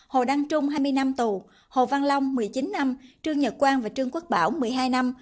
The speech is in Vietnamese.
hồ đăng trung hai mươi năm tù hồ văn long một mươi chín năm trương nhật quang và trương quốc bảo một mươi hai năm